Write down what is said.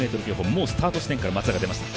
もうスタート地点から松永が出ました。